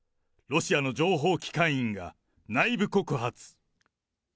ロシアの情報機関員が内部告発。